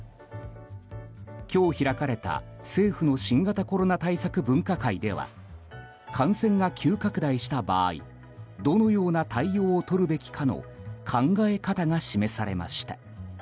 今日開かれた政府の新型コロナ対策分科会では感染が急拡大した場合どのような対応をとるべきかの考え方が示されました。